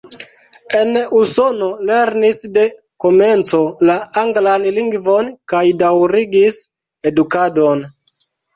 En Usono lernis de komenco la anglan lingvon kaj daŭrigis edukadon.